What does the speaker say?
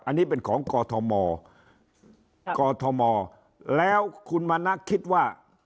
อันนี้เป็นของกอทมกอทมแล้วคุณมณะคิดว่า